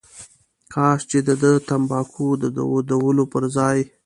کاش چې دده تنباکو د دودولو پر ځای.